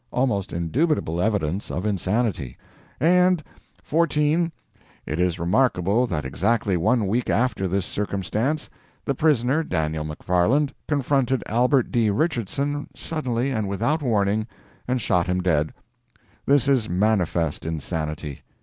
Almost indubitable evidence of insanity. And "14. It is remarkable that exactly one week after this circumstance, the prisoner, Daniel McFarland, confronted Albert D. Richardson suddenly and without warning, and shot him dead. This is manifest insanity.